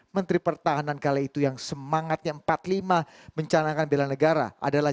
menteri pertahanan kala itu yang semangatnya empat puluh lima mencanangkan bela negara adalah